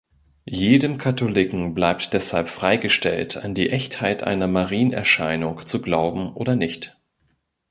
Jedem Katholiken bleibt deshalb freigestellt, an die Echtheit einer Marienerscheinung zu glauben oder nicht.